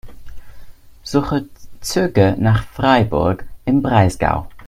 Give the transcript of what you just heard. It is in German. Suche Züge nach Freiburg im Breisgau.